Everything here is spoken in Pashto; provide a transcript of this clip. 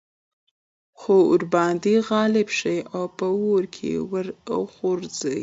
خو ورباندي غالب شي او په اور كي ورغورځي